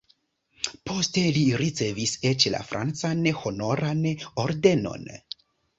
Poste li ricevis eĉ la francan Honoran Ordenon.